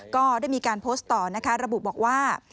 ก็ได้มีการโพสต์ต่อนะคะระบุบอกว่า